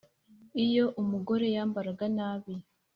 Iyo umugore yambaraga nabi,